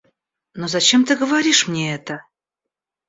Но зачем ты говоришь мне это?